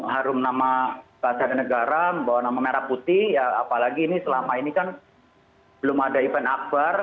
harum nama bahasa negara membawa nama merah putih ya apalagi ini selama ini kan belum ada event akbar